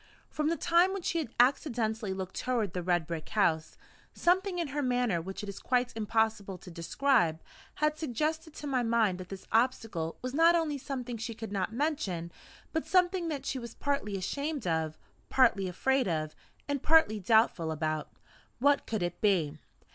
From the time when she had accidentally looked toward the red brick house, something in her manner which it is quite impossible to describe, had suggested to my mind that this obstacle was not only something she could not mention, but something that she was partly ashamed of, partly afraid of, and partly doubtful about. What could it be?